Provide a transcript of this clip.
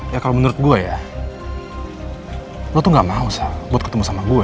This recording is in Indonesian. ya kalau menurut gue ya lu tuh gak mau buat ketemu sama gue